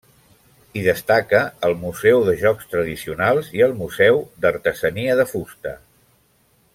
Hi destaca el museu de jocs tradicionals i el museu d'artesania de fusta.